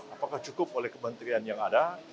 apakah cukup oleh kementerian yang ada